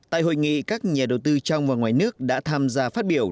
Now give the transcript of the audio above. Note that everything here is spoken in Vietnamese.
tại hội nghị các nhà đầu tư trong và ngoài nước đã tham gia phát biểu